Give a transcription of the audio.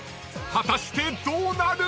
［果たしてどうなる⁉］